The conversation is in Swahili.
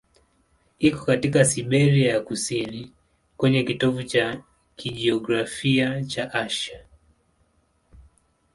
Iko katika Siberia ya kusini, kwenye kitovu cha kijiografia cha Asia.